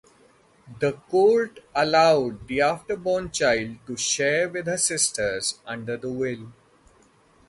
The Court allowed the after-born child to share with her sisters under the will.